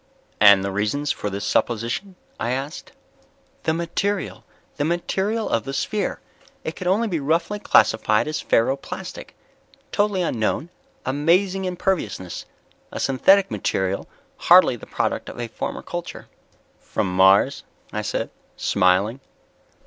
"And the reasons for this supposition?" I asked. "The material ... the material of the sphere. It could only be roughly classified as ferro plastic. Totally unknown, amazing imperviousness. A synthetic material, hardly the product of a former culture." "From Mars?" I said, smiling.